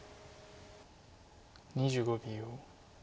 ２５秒。